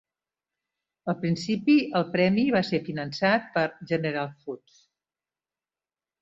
Al principi, el premi va ser finançat per General Foods.